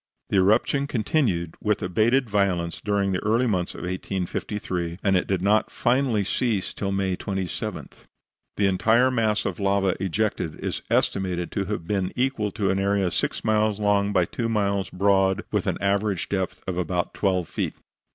The eruption continued with abated violence during the early months of 1853, and it did not finally cease till May 27. The entire mass of lava ejected is estimated to have been equal to an area six miles long by two miles broad, with an average depth of about twelve feet.